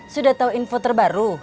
sudah tau info terbaru